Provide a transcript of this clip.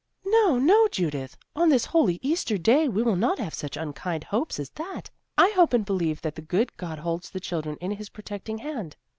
"No, no, Judith, on this holy Easter day, we will not have such unkind hopes as that. I hope and believe that the good God holds the children in his protecting hand.